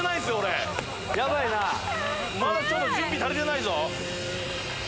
まだ準備足りてないぞ。